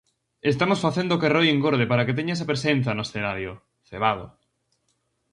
Estamos facendo que Roi engorde para que teña esa presenza no escenario, cebado.